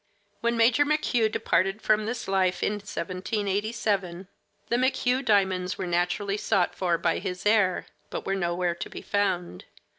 When Major McHugh departed from this life, in 1787, the McHugh diamonds were naturally sought for by his heir, but were nowhere to be found.